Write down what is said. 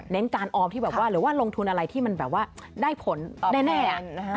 เน้นการออมที่แบบว่าหรือว่าลงทุนอะไรที่ว่าได้ผลแน่